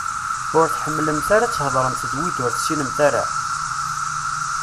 Ur tḥemmlemt ara ad theḍṛemt d wid ur tessinemt ara?